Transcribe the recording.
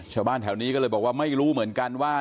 ชาวบ้านแถวนี้ก็เลยบอกว่าไม่รู้เหมือนกันว่า